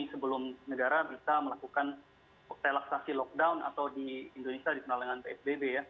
sebelum negara bisa melakukan relaksasi lockdown atau di indonesia di penanganan psbb ya